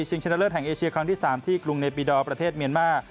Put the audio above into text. ชิงชันเลอร์ดแห่งเอเชียครั้งที่๓ที่กรุงในปีดอลประเทศเมียนมา